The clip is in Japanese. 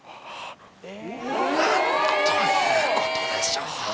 何ということでしょう！